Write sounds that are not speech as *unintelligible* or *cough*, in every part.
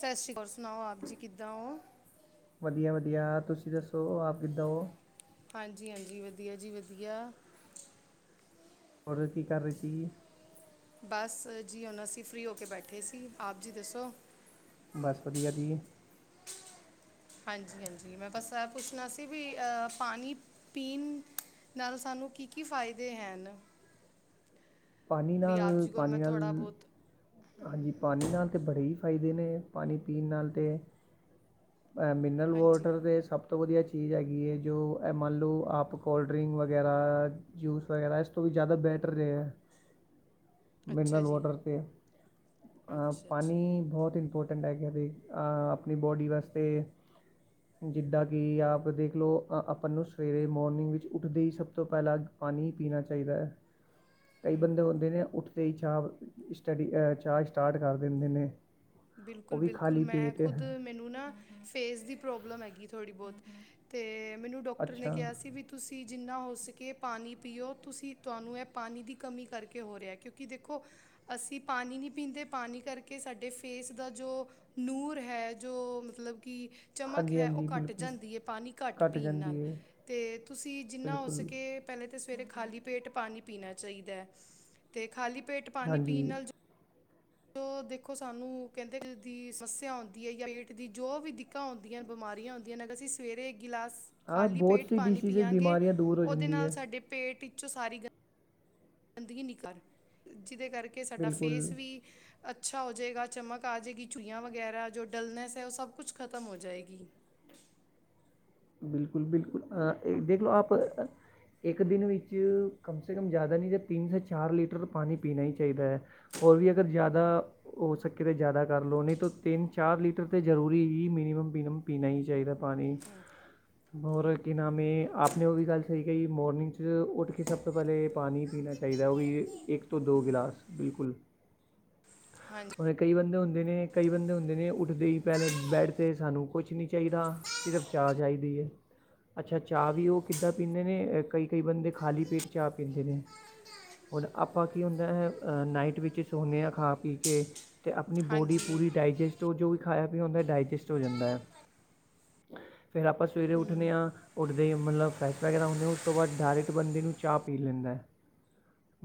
ਸਤਿ ਸ੍ਰੀ, ਹੋਰ ਸੁਣਾਓ ਆਪ ਜੀ ਕਿੱਦਾਂ ਹੋ? ਵਧੀਆ- ਵਧੀਆ, ਤੁਸੀਂ ਦੱਸੋ ਆਪ ਕਿੱਦਾਂ ਹੋ? ਹਾਂਜੀ- ਹਾਂਜੀ, ਵਧੀਆ ਜੀ ਵਧੀਆ। ਹੋਰ ਕਿ ਕਰ ਰਹੇ ਸੀ? ਬਸ ਜੀ ਹੁਣ ਅਸੀਂ ਫਰੀ ਹੋ ਕੇ ਬੈਠੇ ਸੀ, ਆਪ ਜੀ ਦੱਸੋ? ਬਸ ਵਧੀਆ ਜੀ। ਹਾਂਜੀ- ਹਾਂਜੀ, ਮੈਂ ਬਸ ਆ ਪੁੱਛਣਾ ਸੀ ਵੀ ਅਹ ਪਾਣੀ ਪਾਣੀ ਪੀਣ ਨਾਲ ਸਾਨੂੰ ਕੀ ਕੀ ਫਾਇਦੇ ਹਨ। ਪਾਣੀ ਵੀ ਨਾਲ ਆਪ ਜੀ ਕੋਲ ਪਾਣੀ ਮੈਂ ਨਾਲ ਥੋੜਾ ਬਹੁਤ ਹਾਂਜੀ ਪਾਣੀ ਨਾਲ ਅਤੇ ਬੜੇ ਹੀ ਫਾਇਦੇ ਨੇ ਪਾਣੀ ਪੀਣ ਨਾਲ ਤਾਂ ਮਿਨਰਲ ਹਾਂਜੀ ਵਾਟਰ 'ਤੇ ਸਭ ਤੋਂ ਵਧੀਆ ਚੀਜ਼ ਹੈਗੀ ਹੈ ਜੋ ਮੰਨ ਲਉ ਆਪ ਕੋਲਡ ਡਰਿੰਕ ਵਗੈਰਾ। ਜੂਸ ਵਗੈਰਾ ਇਸ ਤੋਂ ਵੀ ਜ਼ਿਆਦਾ ਬੈਟਰ ਰਿਹੇ ਹੈ। ਅੱਛਾ ਮਨਰਲ ਜੀ ਵਾਟਰ 'ਤੇ ਅੱਛਾ ਅੱਛਾ ਜੀ ਪਣੀ ਬਹੁਤ ਇਮਪੋਰਟੈਂਟ ਠੰਡਾ ਕਦੇ ਆਪਣੀ ਬੋਡੀ ਵਾਸਤੇ। ਜਿੱਦਾਂ ਕਿ ਆਪ ਦੇਖ ਲਓ ਆਪਾਂ ਨੂੰ ਸਵੇਰੇ ਮੋਰਨਿੰਗ ਵਿੱਚ ਉੱਠਦੇ ਹੀ ਸਭ ਤੋਂ ਪਹਿਲਾਂ ਪਾਣੀ ਪੀਣਾ ਚਾਹੀਦਾ ਹੈ। ਕਈ ਬੰਦੇ ਹੁੰਦੇ ਨੇ ਉੱਠਦੇ ਹੀ ਚਾਹ ਸਟੱਡੀ ਚਾਹ ਸਟਾਰਟ ਕਰ ਦਿੰਦੇ ਨੇ। ਉਹ ਬਿਲਕੁਲ ਵੀ ਬਿਲਕੁਲ ਖਾਲੀ ਮੈਂ ਪੇਟ ਖੁਦ ਮੈਨੂੰ ਨਾ ਫੇਸ ਦੀ ਪ੍ਰੋਬਲਮ ਹੈਗੀ ਥੋੜੀ ਬਹੁਤ ਤੇ ਮੈਨੂੰ ਡਾਕਟਰ ਨੇ ਅੱਛਾ ਕਿਹਾ ਸੀ ਵੀ। ਤੁਸੀਂ ਜਿੰਨਾ ਹੋ ਸਕੇ ਪਾਣੀ ਪੀਓ ਤੁਸੀਂ ਤੁਹਾਨੂੰ ਇਹ ਪਾਣੀ ਦੀ ਕਮੀ ਕਰਕੇ ਹੋ ਰਿਹਾ ਕਿਉਂਕਿ ਦੇਖੋ ਅਸੀਂ ਪਾਣੀ ਨਹੀਂ ਪੀਂਦੇ ਪਾਣੀ ਕਰਕੇ ਸਾਡੇ ਫੇਸ ਦਾ ਜੋ ਨੂਰ ਹੈ ਜੋ ਮਤਲਬ ਕਿ ਚਮਕ ਹਾਂਜੀ ਹੈ ਉਹ ਹਾਂਜੀ ਘੱਟ ਬਿਲਕੁਲ ਜਾਂਦੀ ਹੈ ਪਾਣੀ ਘੱਟ ਪੀਣ ਨਾਲ ਜਾਂਦੀ ਹੈ ਅਤੇ ਤੁਸੀਂ ਜਿੰਨਾ ਹੋ ਬਿਲਕੁਲ ਸਕੇ। ਪਹਿਲੇ ਤੇ ਸਵੇਰੇ ਖਾਲੀ ਪੇਟ ਪਾਣੀ ਪੀਣਾ ਚਾਹੀਦਾ ਤੇ ਖਾਲੀ ਪੇਟ ਪਾਣੀ ਹਾਂਜੀ ਪੀਣ ਨਾਲ ਜੋ ਦੇਖੋ ਸਾਨੂੰ ਕਹਿੰਦੇ ਨੇ ਦਿਲ ਦੀ ਸਮੱਸਿਆ ਆਉਂਦੀ ਹੈ ਜਾਂ ਪੇਟ ਦੀ ਜੋ ਵੀ ਹੁੰਦੀਆਂ ਬਿਮਾਰੀਆਂ ਹੁੰਦੀਆਂ ਨੇ ਅਗਰ ਅਸੀਂ ਸਵੇਰੇ ਗਿਲਾਸ ਹਾਂ ਖਾਲੀ ਬਹੁਤ ਪੇਟ ਸੀ ਪਾਣੀ ਡਿਸੀਜ਼ ਪੀਆਗੇ ਬਿਮਾਰੀਆਂ ਦੂਰ ਹੋ ਉਹਦੇ ਜਾਂਦੀ ਨਾਲ ਹੈ ਸਾਡੇ ਪੇਟ ਵਿੱਚੋਂ ਸਾਰੀ ਗ ਗੰਦਗੀ ਨਹੀਂ ਕਰ ਜਿਹਦੇ ਕਰਕੇ ਸਾਡਾ ਫੇਸ ਬਿਲਕੁਲ ਵੀ। ਅੱਛਾ ਹੋ ਜਾਏਗਾ ਚਮਕ ਆ ਜਾਏਗੀ ਝੁਰੜੀਆਂ ਵਗੈਰਾ ਜੋ ਡਲਨੈਸ ਹੈ ਉਹ ਸਭ ਕੁਛ ਖ਼ਤਮ ਹੋ ਜਾਏਗੀ ਬਿਲਕੁਲ ਬਿਲਕਲ ਦੇਖ ਲਓ ਆਪ ਇੱਕ ਦਿਨ ਵਿੱਚ ਕਮ ਸੇ ਕਮ ਜ਼ਿਆਦਾ ਨਹੀਂ ਜਾਂ ਤਿੰਨ ਸ ਚਾਰ ਲੀਟਰ ਪਾਣੀ ਪੀਣਾ ਹੀ ਚਾਹੀਦਾ ਹੈ ਹੋਰ ਵੀ ਅਗਰ ਜ਼ਿਆਦਾ ਹੋ ਸਕੇ ਤਾਂ ਜ਼ਿਆਦਾ ਕਰ ਲਉ ਨਹੀਂ ਤਾਂ ਤਿੰਨ ਚਾਰ ਲੀਟਰ ਤਾਂ ਜ਼ਰੂਰੀ ਹੀ ਮਿਨੀਮਮ ਬਿਨਮਮ ਪੀਣਾ ਹੀ ਚਾਹੀਦਾ ਪਾਣੀ ਹੋਔਰ ਕੀ ਨਾਮ ਹੈ ਆਪਣੇ ਉਹ ਵੀ ਗੱਲ ਸਹੀ ਕਹੀ ਮੋਰਨਿੰਗ 'ਚ ਉੱਠ ਕੇ ਸਭ ਤੋਂ ਪਹਿਲਲੇ ਪਾਣੀ ਪੀਣਾਾਹੀ ਚਾਹੀਦਾ ਉਹ ਇਕ ਤੋਂ ਦੋ ਗਲਾਸ ਬਿਲਕੁਲ ਹਾਂਜੀ ਉਣੇ ਕਈ ਬੰਦੇ ਹਦੇ ਨੇ ਕਈ ਬੰਦੇ ਹੁੰਦੇ ਨੇ ਉੱਠਦੇ ਹੀ ਪਹਿਲੇ ਬੈਡ 'ਤੇ ਸਾਨੂੰ ਕੁਛ ਨਹੀਂ ਚਾਹੀਦਾ ਸਿਰਫ਼ ਚਾਹ ਚਾਹੀਦੀ ਹੈ ਅੱਛਾ ਚਾਹ ਵੀ ਉਹ ਕਿੱਦਾਂ ਪੀਂਦੇ ਨੇ ਕਈ ਕਈ ਬੰਦੇ ਖਾਲੀ ਪੇਟ ਚਾਹ ਪੀਂਦੇ ਨੇ ਹੁਣ ਆਪਾਂ ਕੀ ਹੁੰਦਾ ਹੈ ਨਾਈਟ ਵਿੱਚ ਸੋਦੇ ਹਾਂ ਖਾ ਪੀ ਕੇ ਅਤੇ ਆਪਣੀ ਬੋਡੀ ਹਾਂਜੀ ਪੂਰੀ ਡਾਈਜੈਸਟ ਹੋ ਜੋ ਵੀ ਖਾਇਆ ਪੀਦਾ ਡਾਇਾਈਜੈਸਟ ਹੋ ਜਾਂਦਾ ਹੈ ਫਿਰ ਆਪਾਂ ਸਵੇਰੇ ਉੱਠਣੇ ਹੂੰ ਹਾਂ ਉੱਡਦੇ ਮਤਲਬ ਫਰੈਸ਼ ਵਗੈਰਾ ਹੁੰਦੇ ਉਸ ਤੋਂ ਬਾਅਦ ਡਾਇਰੈਕਟ ਬੰਦੇ ਨੂੰ ਚਾਹ ਪੀ ਲੈਂਦਾ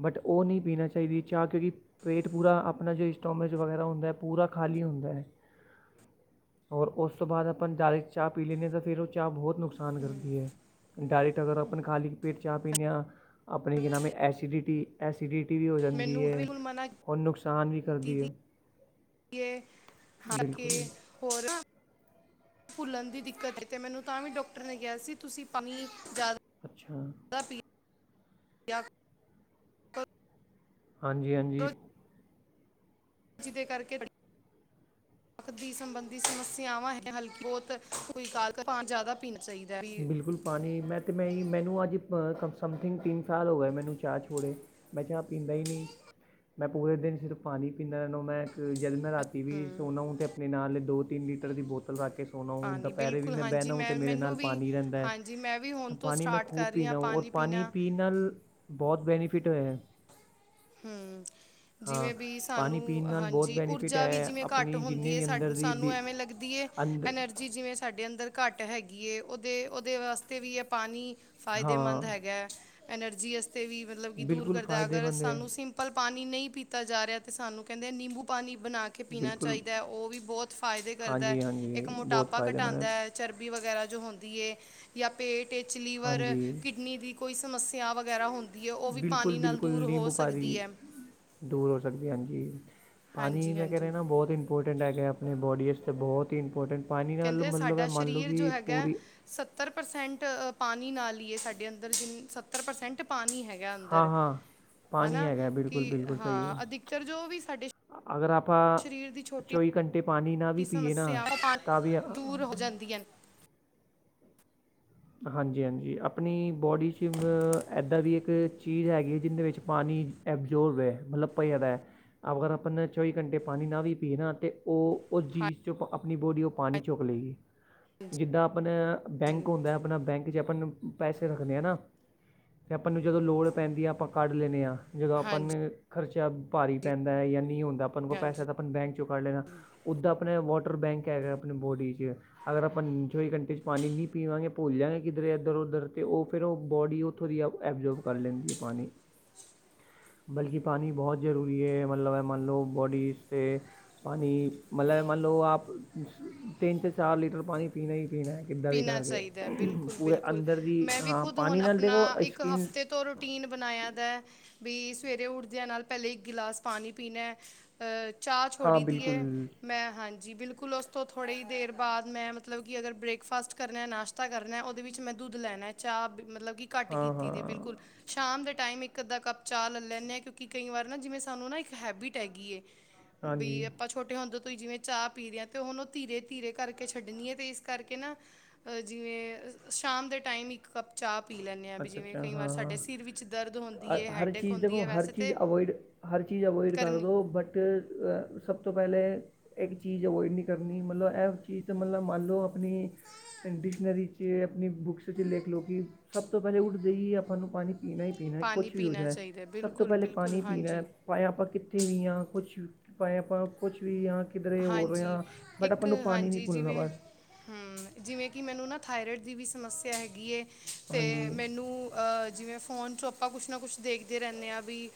ਬਟ ਉਹ ਨਹੀਂ ਪੀਣਾ ਚਾਹੀਦੀ ਚਾਹ ਕਿਉਂਕਿ ਪੇਟ ਪੂਰਾ ਆਪਣਾ ਜੋ ਇਸਟੋਮਜ ਵਗੈਰਾ ਹੁੰਦਾ ਹੈ ਪੂਰਾ ਖਾਲੀ ਹੁੰਦਾ ਹੈ। ਔਰ ਉਸ ਤੋਂ ਬਾਅਦ ਆਪਾਂ ਨਾਲ ਚਾਹ ਪੀ ਲੈਂਦੇ ਹਾਂ ਤਾਂ ਫਿਰ ਉਹ ਚਾਹ ਬਹੁਤ ਨੁਕਸਾਨ ਹੂੰ ਕਰਦੀ ਹੈ ਡਾਇਰੈਕਟ ਅਗਰ ਆਪਾਂ ਖਾਲੀ ਪੇਟ ਚਾਹ ਪੀਣੇ ਆ ਆਪਣੇ ਕੀ ਨਾਮ ਹੈ ਐਸੀਿਡਿਟੀ ਐਸੀਡਿਟੀ ਵੀ ਹੋ ਜਾਂਦੀ ਮੈਨੂੰ ਹੈ ਬਿਲਕੁਲ ਮਨਾ ਹੋਰ ਨੁਕਸਾਨ ਵੀ ਕਰਦੀ ਹੈ ਏ ਹ ਕਿ ਬਿਲਕੁਲ ਹੋਰ ਭੁੱਲਣ ਦੀ ਦਿੱਕਤ ਹੈ ਤੇ ਮੈਨੂੰ ਤਾਂ ਵੀ ਡਾਕਟਰ ਨੇ ਕਿਹਾ ਸੀ ਤੁਸੀਂ ਪਾਣੀ ਜ਼ਿਆਦਾ ਅੱਛਾ ਦ ਪੀ ਹਾਂਜੀ ਹਾਂਜੀ ਕਰੋ ਜਿਹਦੇ ਕਰਕੇ ਦੀ ਸੰਬੰਧੀ ਸਮੱਸਿਆਵਾਂ ਹੈ ਹਲ ਬਹੁਤਈ ਪਾਨੀ ਜ਼ਿਆਦਾ ਪੀਣਾ ਚਾਹੀਦਾ ਹੈ ਵੀ ਬਿਲਕੁਲ ਪਾਣੀ ਮੈਂ ਤਾਂ ਮੈਂ ਮੈਨੂੰ ਅੱਜ ਸਮਥਿੰਗ ਤਿੰਨ ਸਾਲ ਹੋ ਗਏ ਮੈਨੂੰ ਚਾਹ ਛੋੜੇ ਮੈਂ ਚਾਹ ਪੀਂਦਾ ਹੀ ਨਹੀਂ ਮੈਂ ਪੂਰੇ ਦਿਨ ਸਿਰਫ ਪਾਣੀ ਪੀਂਦਾ ਰਨੂੰ ਮੈਂ ਜਦ ਮੈਂ ਰਾਤੀ ਵੀ ਹਮ, ਸੋਨਾ ਅਤੇ ਆਪਣੇ ਨਾਲ ਦੋ ਤਿੰਨ ਲੀਟਰ ਦੀ ਬੋਤਲ ਰੱਖ ਕੇ। ਸੋਨਾ ਹ ਪਾਣੀ ਦੁਪਹਿਰੇ ਵੀ ਬਿਲਕੁਲ ਮੈਂ ਹਾਂਜੀ ਬਹਿਣਾ ਹ ਅਤੇ ਮੇਰੇ ਮੈਨੂੰ ਨਾਲ। ਵੀ ਪਾਣੀ ਰਹਿੰਦਾ ਹੈ ਹਾਂਜੀ ਮੈਂ ਵੀ ਹੁਣ ਤੋਂ ਪਾਣੀ ਮੈਂ ਸਟਾਰਟ ਖੂਬ ਕਰ ਰਹੀ ਹਾਂ ਪੀਣਾ ਔਰ ਪਾਣੀ ਪੀਣਾ ਪੀਣ ਨਾਲ। ਬਹੁਤ ਬੈਨੀਫਿਟ ਹੋਏਆ। ਹਮ। ਹਾਂ ਜਿਵੇਂ ਵੀ ਪਾਣੀ ਪੀਣ ਸਾਨੂੰ ਨਾਲ ਬਹੁਤ ਹਾਂਜੀ ਬੈਨੀਫਿਟ ਊਰਜਾ ਵੀ ਹੈ ਜਿਵੇਂ ਘੱਟ ਆਪਣੀ ਜਿੰਨੇ ਹੁੰਦੀ ਹੈ ਵੀ ਸਾ ਦੀ ਸਾਨੂੰ ਬਿ ਐਵੇਂ ਲੱਗਦੀ ਹੈ। ਅੰਦਰ ਐਨਰਜੀ ਜਿਵੇਂ ਸਾਡੇ ਅੰਦਰ ਘੱਟ ਹੈਗੀ ਹੈ ਉਹਦੇ ਉਹਦੇ ਵਾਸਤੇ ਵੀ ਹੈ ਪਾਣੀ। ਫਾਇਦੇਮੰਦ ਹਾਂ ਹੈਗਾ ਐਨਰਜੀ ਵਸਤੇ ਵੀ ਮਤਲਬ ਕਿ ਦੂਰ ਬਿਲਕੁਲ ਕਰਦਾ ਅਗਰ। ਫਾਇਦੇਮੰਦ ਹੈ ਸਾਨੂੰ ਸਿੰਪਲ ਪਾਣੀ ਨਹੀਂ ਪੀਤਾ ਜਾ ਰਿਹਾ ਤੇ ਸਾਨੂੰ ਕਹਿੰਦੇ ਨਿੰਬੂ ਪਾਣੀ ਬਣਾ ਕੇ। ਕੇ ਪੀਣਾ ਬਿਲਕੁਲ ਚਾਹੀਦਾ ਉਹ ਵੀ ਬਹੁਤ ਫਾਇਦੇ ਕਰਦਾ ਹਾਂਜੀ ਹਾਂਜੀ ਇੱਕ ਬਹੁਤ ਮੋਟਾਪਾ ਫਾਇਦੇਮੰਦ ਘਟਾਉਂਦਾ ਹੈ। ਚਰਬੀ ਵਗੈਰਾ ਜੋ ਹੁੰਦੀ ਹੈ ਜਾਂ ਪੇਟ ਵਿੱਚ ਲੀਵਰ ਹਾਂਜੀ ਕਿਡਨੀ ਦੀ ਕੋਈ ਸਮੱਸਿਆ ਵਗੈਰਾ ਹੁੰਦੀ ਹੈ ਉਹ ਵੀ ਪਾਣੀ ਨਾਲ ਦੂਰ ਹੋ ਸਕ ਭਾਰੀ ਦੂਰ ਹੋ ਸਕਦੀ ਹਾਂਜੀ ਪਾਣੀ ਹਾਂਜੀ ਮੈਂ ਕਹਿ ਹਾਂਜੀ ਰਿਹਾ ਨਾ ਬਹੁਤ ਹੀ। ਇੰਪੋਰਟੈਂਟ ਹੈਗੇ ਆਪਣੇ ਬੋਡੀ ਵਾਸਤੇ ਬਹੁਤ ਹੀ ਇੰਪੋਰਟੈਂਟ ਪਾਣੀ ਨਾਲ ਮਤਲਬ ਹੈ ਮੰਨ ਲਉ ਕਿ ਪੂਰੀ। ਸੱਤਰ ਪ੍ਰਸੈਂਟ ਪਾਣੀ ਨਾਲ ਹੀਏ ਸਾਡੇ ਅੰਦਰ ਜਿੰਨ ਸਤ। ਸੱਤਰ ਪ੍ਰਸੈਂਟ ਪਾਣੀ ਹੈਗਾ ਹਾਂ ਅੰਦਰ। ਹਾਂ ਪਾਣੀ ਹਨਾ ਹੈਗਾ ਹੈ, ਕਿ ਬਿਲਕੁਲ ਬਿਲਕੁਲ ਸਹੀ ਹੈ ਹਾਂ ਅਧਿਕਤਰ ਜੋ ਵੀ ਸਾਡੇ ਅਗਰ ਆਪਾਂ ਸਰੀਰ ਦੀ ਛੋਟੀ ਚੌਵੀ ਘੰਟੇ ਪਾਣੀ ਨਾਲ ਵੀ ਦੀ ਪੀਏ ਨਾ ਸਮੱਸਿਆਵਾਂ ਤਾਂ ਪਾ- ਦੂਰ ਹੋ ਜਾਂਦੀਆਂ ਹਾਂਜੀ ਹਾਂਜੀ ਆਪਣੀ ਬੋਡੀ ਚ ਮ ਇੱਦਾਂ ਦੀ ਇੱਕ ਚੀਜ਼ ਹੈਗੀ ਹੈ ਜਿਹਦੇ ਵਿੱਚ ਪਾਣੀ ਅਬਜ਼ੋਰਬ ਹੋ ਮਤਲਬ ਭਿਆ ਦਾ ਅਗਰ ਆਪਾਂ ਚੌਵੀ ਘੰਟੇ ਪਾਣੀ ਨਾ ਵੀ ਪੀਣਾ ਤਾਂ ਉਹ ਉਸ ਹਨ। ਚੀਜ਼ ਚ ਆਪਣੀ ਬੋਡੀਰ ਪਾਣੀ ਚੁੱਕ ਲੇਗੀ ਹਾਂਜੀ ਜਿੱਦਾਂ ਆਪਣਾ ਹਾਂਜੀ ਬੈਂਕ ਹੁੰਦਾ ਆਪਣਾ ਬੈਂਕ ਚ ਆਪਾਂ ਨੂੰ ਪੈਸੇ ਰੱਖਦੇ ਹਾਂ ਨਾ ਤੇ ਆਪਾਂ ਨੂੰ ਜਦੋਂ ਲੋੜ ਪੈਂਦੀ ਆ ਆਪਾਂ ਕੱਢ ਲੈਂਦੇ ਹਾਂ। ਜਦੋਂ ਆਪਾਂ ਹਾਂਜੀ ਖਰਚਾ ਭਾਰੀ ਪੈਂਦਾ ਜਾਂ ਨਹੀਂ ਹੁੰਦਾ ਆਪਾਂ ਕੋਲ ਹਾਂਜੀ ਪੈਸਾ ਤਾਂ ਆਪਾਂ ਬੈਂਕ ਚੋਂ ਕੱਡ ਲੈਣਾ। ਉਹਦਾ ਆਪਣਾ ਵਾਟਰ ਬੈਂਕ ਹੈ ਆਪਣੀ ਬੋਡੀ ਚ ਅਗਰ ਆਪਾਂ ਚੌਵੀ ਘੰਟੇ ਚ ਪਾਣੀ ਨਹੀਂ ਪੀਵਾਂਗੇ। ਭੁੱਲ ਜਾਂਗੇ ਕਿੱਧਰ ਇੱਧਰ ਉੱਧਰ ਅਤੇ ਉਹ ਫਿਰ ਉਹ ਬੋਡੀ ਉੱਥੋਂ ਦੀ ਐਬਜੋਰਬ ਕਰ ਲੈਂਦੀ ਹੈ ਪਾਣੀ। ਬਲਕਿ ਪਾਣੀ ਬਹੁਤ ਜ਼ਰੂਰੀ ਹੈ ਮਤਲਬ ਮੰਨ ਲਓ ਬੋਡੀਜ਼ ਤੇ ਪਣੀ ਮਤਲਬ ਮੰਨ ਲਉ ਆਪ ਤਿੰਨ ਚਾਰ ਲੀਟਰ ਪਣੀ ਪੀਣਾ ਹੀ ਪੀਣਾ ਹੈ। ਕਿੱਦਾਂ ਵੀ ਪੀਣਾ ਕਰਕੇ ਚਾਹੀਦਾ ਬਿਲਕੁਲ ਪੂਰੇ ਬਿਲਕੁਲ ਅੰਦਰ ਦੀ ਮੈਂ ਵੀ ਹਾਂ ਖੁਦ ਹੁਣ ਪਾਣੀ ਨਾਲ ਆਪਣਾ ਦੇਖੋ ਇੱਕ ਸਕਿਨ ਹਫਤੇ ਤੋਂ ਰ ਰਟੀਨ ਬਣਾਇਆ ਦਾ ਵੀ ਸਵੇਰੇ ਉੱਠਦਿਆਂ ਨਾਲ ਪਹਿਲ਼ੇ ਇੱਕ ਗਿਲਾਸ ਪਾਣੀ ਪੀਣਾ। ਚਾਹ ਹਾਂ ਛੋੜੀ ਦੀ ਬਿਲਕੁਲ ਹੈ। ਮੈਂ ਹਾਂਜੀ ਬਿਲਕੁਲ ਉਸ ਤੋਂ ਥੋੜ੍ਹੀ ਹੀ ਦੇਰ ਬਾਅਦ ਮੈਂ ਮਤਲਬ ਕਿ ਅਗਰ ਬ੍ਰੇਕ ਬ੍ਰੈਕਫਾਸਟ ਕਰਨਾ ਨਾਸ਼ਤਾ ਕਰਨਾ ਉਹਦੇ ਵਿੱਚ ਮੈਂ ਦੁੱਧ ਲੈਣਾ ਚਾਹ ਮਤਲਬ ਕਿ ਘਟ ਹਾਂ ਕੀਤੀ ਹੈ ਹਾਂ ਬਿਲਕੁਲ। ਸ਼ਾਮ ਦੇ ਟਾਈਮ ਇੱਕ ਅੱਧਾ ਕੱਪ ਚਾਹ ਲੈ ਲੈਂਦੇ ਹਾਂ ਕਿਉਂਕਿ ਕਈ ਵਾਰ ਨਾ ਜਿਵੇਂ ਸਾਨੂੰ ਨਾ ਇੱਕ ਹੈਬਿਟ ਹੈਗੀ ਹੈ। ਹ *unintelligible* ਬਈ ਆਪਾਂ ਛੋਟੇ ਹੁੰਦ ਤੋਂ ਹੀ ਜਿਵੇਂ ਚਾਹ ਪੀ ਰਿ ਹਾਂ ਅਤੇ ਉਹ ਹੁਣ ਉਹ ਧੀਰੇ ਧੀਰੇ ਕਰਕੇ ਛੱਡਣੀ ਹੈ ਅਤੇ ਇਸ ਕਰਕੇ ਨਾ। ਜਿਵੇਂ ਸ਼ਾਮ ਦੇ ਟਾਈਮ ਇੱਕ ਕਪ ਚਾਹ ਪੀ ਲੈਣੇ ਹਾਂ ਵੀ ਅੱਛਾ ਜਿਵੇਂ ਅੱਛਾ ਕਈ ਵਾਰ ਹਾਂ ਸਾਡੇ ਹਾਂ ਸਿਰ ਵਿੱਚ ਦਰਦ ਹੁੰਦੀ ਹੈ ਹਰ ਹੈਡੇਕ ਚੀਜ਼ ਹੁੰਦੀ ਦੇਖੋ ਹੈ ਹਰ ਵੈਸੇ ਚੀਜ਼ ਤੇ। ਅਵੋਇਡ ਹਰ ਚੀਜ਼ ਅਵੋਇਡ ਕਰ ਦਿਉ ਬਟ ਸਭ ਤੋਂ ਪਹਿਲੇ ਇੱਕ ਚੀਜ਼ ਅਵੋਇਡ ਨੱਹੀ ਕਰਨੀ ਮਤਲਬ ਇਹ ਚੀਜ਼ ਤੇ ਮਤਲਬ ਮੰਨ ਲਓ ਆਪਣੀ ਡਿਕਸ਼ਨਰੀ ਚ ਆਪਣੀ ਬੁੱਕਸ ਚ ਲਿਖ ਲਓ ਕਿ ਸਭ ਤੋਂ ਪਹਿਲੇ ਉੱਠਦੇ ਹੀ ਆਪਾਂ ਨੂੰ ਪਾਣੀ ਪੀਣਾ ਹੀ ਪੀਣਾ ਪਾਣੀ ਕੁਛ ਵੀ ਹੋ ਪੀਣਾ ਜਾਏ ਚਾਹੀਦਾ ਸਭ ਤੋਂ ਪਹਿਲੇ ਬਿਲਕੁਲ-ਬਿਲਕੁਲ ਪਾਣੀ ਪੀਣਾ। ਹਾਂਜੀ। ਭਾਵੇਂ ਆਪਾਂ ਕਿੱਥੇ ਵੀ ਹਾਂ ਕੁਛ ਭਾਏ ਆਪਾਂ ਕੁਛ ਵੀ ਹਾਂ ਕਿਧਰੇ ਹੋ ਹਾਂਜੀ ਰਹੇਹਾ ਬਟ ਇੱਕ ਆਪਾਂ ਨੂੰ ਪਾਣੀ ਨਹੀਂ ਹਾਂਜੀ ਭੁੱਲਣਾ ਜਿਵੇਂ ਬਸ। ਹਮ ਜਿਵੇਂ ਕਿ ਮੈਨੂੰ ਨਾ ਥਾਯੋਰਾਇਡ ਦੀ ਵੀ ਸਮੱਸਿਆ ਹੈਗੀ ਹੈ ਤੇ ਹਾਂਜੀ ਮੈਨੂੰ। ਜਿਵੇਂ ਫ਼ੋਨ ਚੋਂ ਆਪਾਂ ਕੁਛ ਨਾ ਕੁਛ ਦੇਖਦੇ ਰਹਿੰਦੇ ਹਾਂ ਵੀ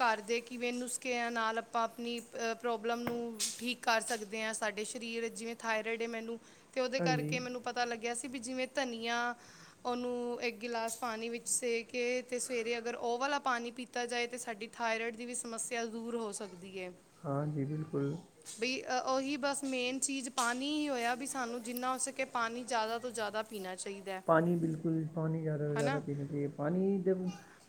ਘਰ ਦੇ ਕਿਵੇਂ ਨੁਸਖਿਆਂ ਨਾਲ ਆਪਾਂ ਆਪਣੀ ਪ੍ਰੋਬਲਮ ਨੂੰ ਠੀਕ ਕਰ ਸਕਦੇ ਹਾਂ। ਸਾਡੇ ਸ਼ਰੀਰ ਜਿਵੇਂ ਥਾਇਰੋਇਡ ਹੈ ਮੈਨੂੰ ਤੇ ਉਹਦੇ ਕਰਕੇ ਹਾਂਜੀ ਮੈਨੂੰ ਪਤਾ ਲੱਗਿਆ ਸੀ ਵੀ ਜਿਵੇਂ ਧਨੀਆ ਉਹਨੂੰ ਇੱਕ ਗਿਲਾਸ ਪਾਣੀ ਵਿੱਚ ਸੇ ਕੇ ਤੇ ਸਵੇਰੇ ਅਗਰ ਉਹ ਵਾਲਾ ਪਾਣੀ ਪੀ ਤਾ ਜਾਏ ਤੇ ਸਾਡੀ ਥਾਇਰੋਇਡ ਦੀ ਵੀ ਸਮੱਸਿਆ ਦੂਰ ਹੋ ਸਕਦੀ ਹੈ। ਹਾਂਜੀ ਬਿਲਕੁਲ। ਬੀ ਉਹੀ ਬਸ ਮੇਨ ਚੀਜ਼ ਪਾਣੀ ਹੀ ਹੋਇਆ, ਵੀ ਸਾਨੂੰ ਜਿੰਨਾ ਹੋ ਸਕੇ ਪਾਣੀ ਜ਼ਿਆਦਾ ਤੋਂ ਜ਼ਿਆਦਾ ਪੀਣਾ ਚਾਹੀਦਾ ਹੈ। ਪਣੀ ਬਿਲਕੁ ਪਾਣੀ ਜ਼ਿਆਦਾ ਤੋਂ ਜ਼ਿਆਦਾ ਹਨਾ ਪੀਣਾ ਚਾਹੀਦਾ। ਪਾਣੀ ਦੇ,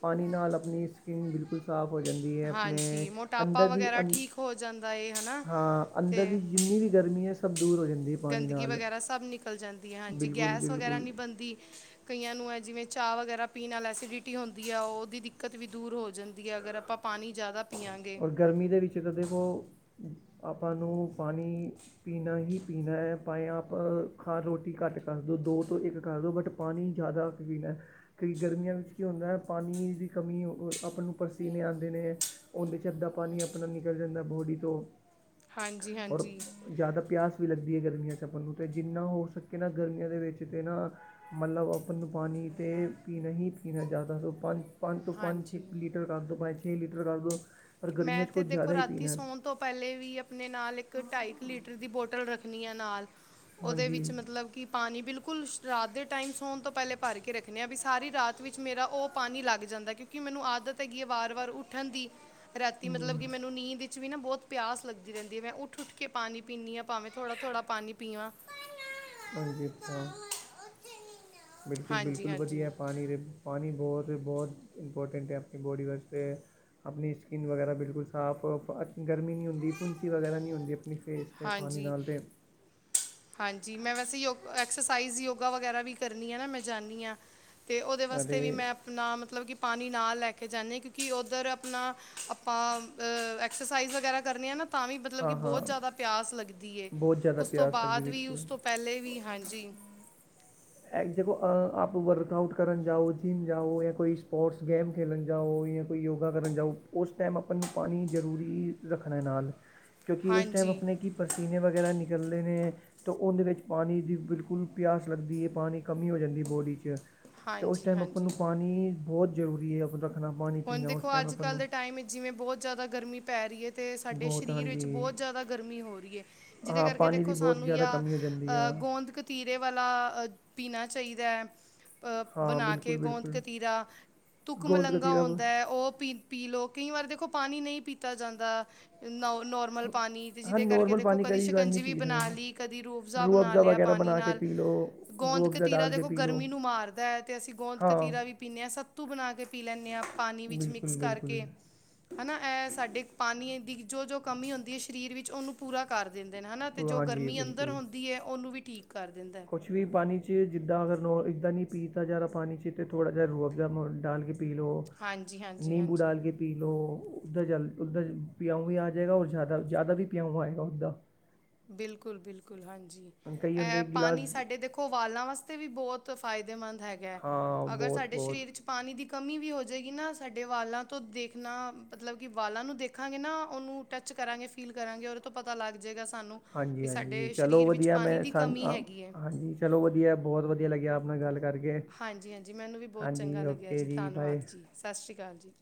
ਪਾਣੀ ਨਾਲ ਆਪਣੀ ਸਕਿੰਨ ਬਿਲਕੁਲ ਸਾਫ ਹੋ ਜਾਂਦੀ ਹੈ। ਆਪਣੇ ਹਾਂਜੀ ਮੋਟਾਪਾ ਅੰਦਰ ਦੀ ਵਗੈਰਾ ਅੰ ਠੀਕ ਹੋ ਜਾਂਦਾ ਏ ਹਨਾ ਹਾਂ ਤੇ ਅੰਦਰ ਦੀ ਜਿੰਨੀ ਵੀ ਗਰਮੀ ਹੈ ਸਭ ਦੂਰ ਹੋ ਜਾਂਦੀ। ਹੈ ਪਾਣੀ ਗੰਦਗੀ ਨਾਲ ਵਗੈਰਾ ਸਭ ਨਿਕਲ ਜਾਂਦੀ ਹੈ। ਹਾਂਜੀ ਬਿਲਕੁਲ ਗੈਸ ਵਗੈਰਾ ਬਿਲਕੁਲ ਨਹੀਂ ਬਣਦੀ। ਕਈਆਂ ਨੂੰ ਹੈ ਜਿਵੇਂ ਚਾਹ ਵਗੈਰਾ ਪੀਣ ਨਾਲ ਐਸੀਡਿਟੀ ਹੁੰਦੀ ਆ, ਉਹ ਉਹਦੀ ਦਿੱਕਤ ਵੀ ਦੂਰ ਹੋ ਜਾਂਦੀ ਹੈ। ਅਗਰ ਆਪਾਂ ਪਾਣੀ ਜ਼ਿਆਦਾ ਪੀਆਗੇਂ। ਗਰਮੀ ਦੇ ਵਿੱਚ ਤਾਂ ਦੇਖੋ ਆਪਾਂ ਨੂੰ ਪਾਣੀ ਪੀਣਾ ਹੀ ਪੀਣਾ ਹੈ, ਭਾਵੇਂ ਆਪ ਖਾ ਰੋਟੀ ਘੱਟ ਕਰ ਦਿਉ। ਦੋ ਤੋਂ ਇੱਕ ਕਰ ਦਿਉ ਬਟ ਪਾਣੀ ਜ਼ਿਆਦਾ ਪੀਣਾ ਹੇ। ਕਿ ਗਰਮੀਆਂ ਵਿੱਚ ਕੀ ਹੁੰਦਾ ਹੈ, ਪਾਣੀ ਦੀ ਕਮੀ ਅ-ਓ-ਆਪਾਂ ਨੂੰ ਪਰਸੀਨੇ ਆਉਂਦੇ ਨੇ। ਉਹਦੇ ਚ ਅੱਧਾ ਪਾਣੀ ਆਪਣਾ ਨਿਕਲ ਜਾਂਦਾ ਬੋਡੀ ਤੋਂ, ਹਾਂਜੀ ਔਰ ਹਾਂਜੀ ਜ਼ਿਆਦਾ ਪਿਆਸ ਵੀ ਲੱਗਦੀ ਹੈ ਗਰਮੀਆਂ ਆਪਣ ਨੂੰ ਅਤੇ ਜਿੰਨਾ ਹੋ ਸਕੇ ਨਾ ਗਰਮੀਆਂ ਦੇ ਵਿੱਚ ਤੇ ਨਾ ਮਲਬ ਆਪਾਂ ਨੂੰ ਪਾਣੀ ਤੇ ਪੀਣਾ ਹੀ ਪੀਣਾ ਹੈ। ਜ਼ਿਆਦਾ ਤੋ ਪੰਜ ਪੰਜ ਤੋਂ ਪੰਜ ਛੇ ਹਾਂਜੀ ਲੀਟਰ ਕਰ ਦਿਉ, ਭਾਵੇਂ ਛੇ ਲੀਟਰ ਕਰ ਦਿਉ। ਪਰ ਮੈਂ ਗਰਮੀਆਂ 'ਚ ਤੇ ਕੁਝ ਦੇਖੋ ਜ਼ਿਆਦਾ ਹੀ ਰਾਤੀ ਪੀਣਾ ਸੌਨ ਤੋਂ ਪਹਿਲੇ ਵੀ ਆਪਣੇ ਨਾਲ ਇੱਕ ਢਾਈ ਕੁ ਲੀਟਰ ਦੀ ਬੋਟਲ ਰੱਖਣੀ ਆ ਨਾਲ। ਉਹਦੇ ਹਾਂਜੀ ਵਿੱਚ ਮਤਲਬ ਕਿ ਪਾਣੀ ਬਿਲਕੁਲ ਰਾਤ ਦੇ ਟਾਈਮ ਸੌਣ ਤੋਂ ਪਹਿਲੇ ਭਰ ਕੇ ਰੱਖਣੇ ਹਾਂ, ਵੀ ਸਾਰੀ ਰਾਤ ਵਿੱਚ ਮੇਰਾ ਉਹ ਪਾਣੀ ਲੱਗ ਜਾਂਦਾ ਏ ਕਿਉਂਕਿ ਮੈਨੂੰ ਆਦਤ ਹੈਗੀ ਹੈ ਵਾਰ ਵਾਰ ਉੱਠਣ ਦੀ, ਰਾਤੀ ਮਤਲਬ ਹੂੰ ਕਿ ਮੈਨੂੰ ਨੀਂਦ ਵਿੱਚ ਵੀ ਨਾ ਬਹੁਤ ਪਿਆਸ ਲੱਗਦੀ ਰਹਦੀ ਹੈ। ਮੈਂ ਉੱਠ ਉੱਠ ਕੇ ਪਾਣੀ ਪੀਨੀ ਹਾਂ ਭਾਵੇ ਥੋੜ੍ਹਾ ਥੋੜ੍ਹਾ ਪਾਣੀ ਪੀਵਾਂ। ਹਾਂਜੀ ਅੱਛਾ, ਹਾਂਜੀ ਬਿਲਕੁਲ-ਬਿਲਕੁਲ ਹਾਂਜੀ ਵਧੀਆ ਏ ਪਾਣੀ ਦੇ ਪਾਣੀ ਬਹੁਤ-ਬਹੁਤ ਇੰਪੋਰਟੈਂਟ ਹੈ ਆਪਣੀ ਬੋਡੀ ਵਾਸਤੇ। ਆਪਣੀ ਸਕਿਨ ਵਗੈਰਾ ਬਿਲਕੁਲ ਸਾਫ਼ ਅ-ਪ-ਗਰਮੀ ਨਹੀਂ ਹੁੰਦੀ, ਫੁੁੰਸੀ ਵਗੈਰਾ ਨਹੀਂ ਹੁੰਦੀ ਆਪਣੀ ਫੇਸ 'ਤੇ ਪਾਣੀ ਹਾਂਜੀ। ਨਾਲ ਅਤੇ ਹਾਂਜੀ ਮੈਂ ਵੈਸੇ ਯੋਗ-ਐਕਸਸਾਈਜ਼ ਯੋਗਾ ਵਗੈਰਾ ਵੀ ਕਰਨੀ ਆ ਨਾ, ਮੈਂ ਜਾਂਦੀ ਹਾਂ। ਤੇ ਉਹਦੇ ਵਾਸਤੇ ਅਤੇ ਵੀ ਮੈਂ ਨਾ ਮਤਲਬ ਕਿ ਪਾਣੀ ਨਾਲ ਲੈ ਕੇ ਜਾਂਨੇ, ਕਿਉਂਕਿ ਉੱਧਰ ਆਪਣਾ ਆਪਾਂ ਅ ਐਕਸਰਸਾਈਜ਼ ਵਗੈਰਾ ਕਰਨੇਆਂ ਨਾ ਤਾਂ ਵੀ ਮਤਲਬ ਕਿ ਹਾਂ ਬਹੁਤ ਹਾਂ ਜਿਆਦਾ ਪਿਆਸ ਲੱਗਦੀ ਏ। ਉਸ ਤੋਂ ਬਾਅਦ ਵੀ ਉਸ ਤੋਂ ਪਹਿਲੇ ਵੀ ਹਾਂਜੀ। ਇੰਜ ਦੇਖੋ ਆਪ ਵਰਕਆਊਟ ਕਰਨ ਜਾਓ, ਜਿੰਮ ਜਾਓ, ਜਾਂ ਕੋਈ ਸਪੋਰਟਸ ਗੇਮ ਖੇਲਣ ਜਾਓ ਜਾਂ ਕੋਈ ਯੋਗਾ ਕਰਨ ਜਾਓ, ਉਸ ਟਾਈਮ ਆਪਾਂ ਨੂੰ ਪਾਣੀ ਜ਼ਰੂਰੀ ਰੱਖਣਾ ਹੇ ਨਾਲ। ਕਿਉਂਕਿ ਉਸ ਟਾਈਮ ਹਾਂਜੀ ਆਪਣੀ ਕੀ ਪਸ ਸੀਨੇ ਵਗੈਰਾ ਨਿਕਲਦੇ ਨੇ ਤਾਂ ਉਹਦੇਂ ਵਿੱਚ ਪਾਣੀ ਦੀ ਬਿਲਕੁਲ ਪਿਆਸ ਲਗਦੀ ਹੈ। ਪਾਣੀ ਕਮੀ ਹੋ ਜਾਂਦੀ ਬੋਡੀ 'ਚ, ਅਤੇ ਉਸ ਹਾਂਜੀ ਟਾਈਮ ਆਪਾਂ ਨੂੰ ਹਾਂਜੀ ਪਾਣੀ ਬਹੁਤ ਜ਼ਰੂਰੀ ਹੈ। ਰੱਖਣਾ ਪਾਣੀ ਹੁਣ ਪੀਣਾ ਉਸ ਦੇਖੋ ਟਾਈਮ ਅੱਜ ਆਪਾਂ ਕੱਲ੍ਹ ਨੂੰ ਦੇ ਟਾਈਮ ਵਿੱਚ ਜਿਵੇਂ ਬਹੁਤ ਜ਼ਿਆਦਾ ਗਰਮੀ ਪੈ ਰਹੀ ਹੈ। ਤੇ ਸਾਡੇ ਬਹੁਤ ਸਰੀਰ ਵਿੱਚ ਹਾਂਜੀ ਬਹੁਤ ਜ਼ਿਆਦਾ ਗਰਮੀ ਹੋ ਰਹੀ ਹੈ, ਜਿਹਦੇ ਹਾਂ ਕਰਕੇ ਪਾਣੀ ਦੀ ਦੇਖੋ ਬਹੁਤ ਸਾਨੂੰ ਜ਼ਿਆਦਾ ਜਾਂ ਕਮੀ ਹੋ ਜਾਂਦੀ ਆ ਗੋਂਦ ਕਤੀਰੇ ਵਾਲਾ ਪੀਣਾ ਚਾਹੀਦਾ। ਅ ਹਾਂ ਬਣਾ ਬਿਲਕੁਲ ਕੇ ਗੋਂਦ ਬਿਲਕੁਲ ਕਤੀਰਾ। ਤੁੱਕ ਗੋਲ ਮਲੰਘਗਾ ਹੁੰਦਾ ਗਤੀਰਾ ਐ ਉਹ ਪੀ-ਪੀ ਲਓ ਕਈ ਵਾਰ ਦੇਖੋ ਪਾਣੀ ਨਹੀਂ ਪੀਤਾ ਜਾਂਦਾ ਨ-ਨੋਰ ਮਲ ਪਾਣੀ ਜਿਹਦੇ ਕਰਕੇ ਦੇਖੋ ਕਦੀ ਸ਼ਿਕੰਜੀ ਵੀ ਬਣਾ ਲਈ ਕਦੇ ਰੂਹਅਫਜਾ ਬਣਾ ਲਿਆ ਪਾਣੀ ਨਾਲ। ਗੋਂਦ ਕਤੀਰਾ ਦੇਖੋ ਗਰਮੀ ਨੂੰ ਮਾਰਦਾ ਹੈ ਤੇ ਅਸੀਂ ਗੋਂਦ ਕਤੀਰਾ ਵੀ ਪੀਂਦੇ ਹਾਂ ਸੱਤੂ ਬਣਾ ਕੇ ਪੀ ਲੈਂਦੇ ਹਾਂ ਪਾਣੀ ਵਿੱਚ ਬਿਲਕੁਲ ਮਿਕਸ ਬਿਲਕੁਲ ਕਰਕੇ। ਹੈ ਨਾ ਇਹ ਸਾਡੇ ਪਾਣੀ ਦੀ ਜੋ ਜੋ ਕਮੀ ਹੁੰਦੀ ਹੈ ਸਰੀਰ ਵਿੱਚ ਉਹਨੂੰ ਪੂਰਾ ਕਰ ਦਿੰਦੇ ਨੇ ਹਨਾ ਤੇ ਜੋ ਹਾਂਜੀ ਗਰਮੀ ਅੰਦਰ ਬਿਲਕੁਲ ਹੁੰਦੀ ਹੈ ਉਹਨੂੰ ਵੀ ਠੀਕ ਕਰ ਦਿੰਦਾ ਕੁਛ ਵੀ ਪਾਣੀ 'ਚ ਜਿੱਦਾਂ ਅਗਰ ਨ ਇੱਦਾਂ ਨਹੀਂ ਪੀਤਾ ਜਾਦਾ ਪਾਣੀ 'ਚ ਅਤੇ ਥੋੜ੍ਹਾ ਜਿਹਾ ਰੋਬਜ਼ ਮ ਡਾਲ ਕੇ ਪੀ ਲਓ ਹਾਂਜੀ ਹਾਂਜੀ ਨਿੰਬੂ ਹਾਂਜੀ ਡਾਲ ਕੇ ਪੀ ਲਉ ਉੱਧਰ ਜਲ ਉੱਧਰ ਪਿਆਉਊਂ ਵੀ ਆ ਜਾਵੇਗਾ ਔਰ ਜ਼ਿਆਦਾ ਜ਼ਿਆਦਾ ਵੀ ਪਊਂ ਆਏਗਾ ਉੱਦਾਂ। ਬਿਲਕੁਲ ਬਿਲਕੁਲ ਹਾਂਜੀ ਕਈ ਹੁੰਦੇ ਇੱਕ ਗਿਲਾਸ ਪਾਣੀ ਸਾਡੇ ਦੇਖੋ ਖਵਾਲਾਂ ਵਾਸਤੇ ਵੀ ਬਹੁਤ ਫਾਇਦੇਮੰਦ ਹੈਗਾ ਹੈ ਹਾਂ ਅਗਰ ਬਹੁਤ ਸਾਡੇ ਬਹੁਤ ਸਰੀਰ 'ਚ ਪਾਣੀ ਦੀ ਕਮੀ ਵੀ ਹੋ ਜਾਵੇਗੀ ਨਾ ਸਾਡੇ ਵਾਲਾਂ ਤੋਂ ਦੇਖਣਾ ਮਤਲਬ ਕਿ ਵਾਲਾਂ ਨੂੰ ਦੇਖਾਂਗੇ ਨਾ ਉਹਨੂੰ ਟੱਚ ਕਰਾਂਗੇ ਫੀਲ ਕਰਾਂਗੇ ਉਹਦੇ ਤੋਂ ਪਤਾ ਲੱਗ ਜਾਵੇਗਾ ਸਾਨੂੰ ਹਾਂਜੀ ਵੀ ਹਾਂਜੀ ਸਾਡੇ ਚਲੋ ਸਰੀਰ ਵਿੱਚ ਵਧੀਆ ਪਾਣੀ ਮੈਂ ਦੀ ਸਾਨ ਕਮੀ ਹੈਗੀ ਹੈ। ਹਾਂਜੀ। ਚਲੋ ਵਧੀਆ ਬਹੁਤ ਵਧੀਆ ਲੱਗਿਆ ਆਪ ਨਾਲ ਗੱਲ ਕਰਕੇ। ਹਾਂਜੀ ਹਾਂਜੀ ਮੈਨੂੰ ਵੀ ਬਹੁਤ ਚੰਗਾ ਹਾਂਜੀ ਲੱਗਿਆ ਓਕੇ ਜੀ ਬਾਏ ਧੰਨਵਾਦ ਜੀ ਸਤਿ ਸ਼੍ਰੀ ਅਕਾਲ ਜੀ।